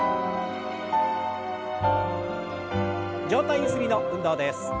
上体ゆすりの運動です。